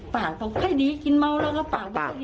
ปากให้ดีกินเมาท์แล้วก็ปากให้ดี